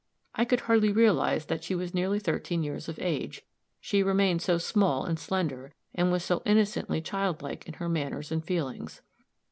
I could hardly realize that she was nearly thirteen years of age, she remained so small and slender, and was so innocently childlike in her manners and feelings.